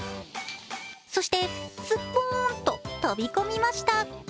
そして、スッポーンと飛び込みました。